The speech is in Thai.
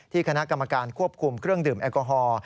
คณะกรรมการควบคุมเครื่องดื่มแอลกอฮอล์